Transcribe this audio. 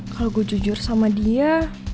kalo gua jujur sama dia